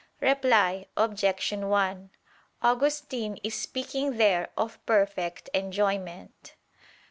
Reply Obj. 1: Augustine is speaking there of perfect enjoyment.